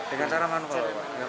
dengan cara manual